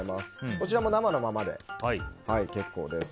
こちらも生のままで結構です。